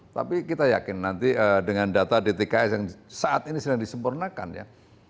tapi kita yakin nanti dengan data dtks yang saat ini sedang disempurnakan ya